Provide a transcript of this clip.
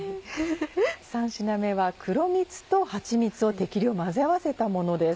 ３品目は黒みつとはちみつを適量混ぜ合わせたものです。